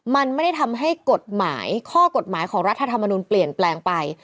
มันไม่ได้ทำให้กฎหมายข้อกฎหมายของรัฐธรรมนุนเปลี่ยนแปลงไป